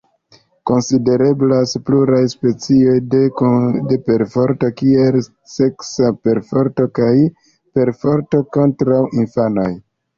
Konsidereblas pluraj specoj de perforto kiel seksa perforto kaj perforto kontraŭ infanoj.